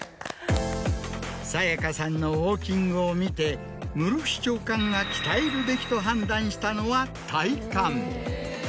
沙耶香さんのウオーキングを見て室伏長官が鍛えるべきと判断したのは体幹。